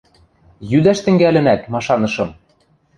— Йӱдӓш тӹнгӓлӹнӓт, машанышым!